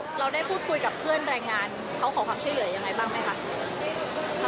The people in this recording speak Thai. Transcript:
เราได้พูดคุยกับเพื่อนรายงานเขาขอคำชื่อเหลืออย่างไรบ้างไหมครับ